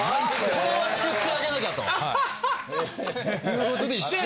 これは救ってあげなきゃということで一緒に。